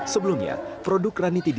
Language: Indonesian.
sebelumnya produk ranitidinnya